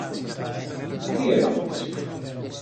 Μα τι έπαθες;